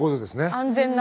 安全な。